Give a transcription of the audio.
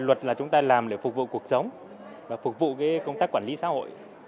luật là chúng ta làm để phục vụ cuộc sống và phục vụ công tác quản lý xã hội